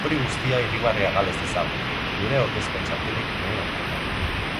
Hori guztia irribarrea gal ez dezagun, gure aurkezpen-txartelik onena da eta.